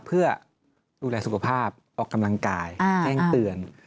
เพื่อดูแลสุขภาพออกกำลังกายแจ้งเตือน